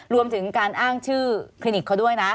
รวมถึงการอ้างชื่อคลินิกเขาด้วยนะ